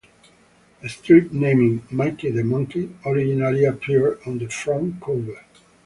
A strip named "Mickey the Monkey" originally appeared on the front cover.